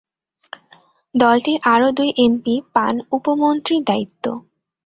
দলটির আরো দুই এমপি পান উপ-মন্ত্রীর দায়িত্ব।